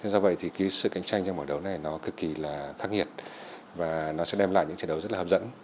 do vậy sự cạnh tranh trong bảng đấu này cực kỳ khắc nghiệt và sẽ đem lại những chiến đấu rất là hấp dẫn